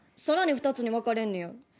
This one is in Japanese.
更に２つに分かれんねや。